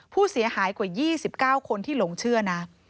ผู้เสียหายกว่า๒๙คนที่หลงเชื่อนะ